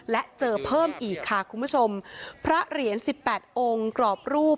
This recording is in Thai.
และเจอเพิ่มอีกค่ะคุณผู้ชมพระเหรียญสิบแปดองค์กรอบรูป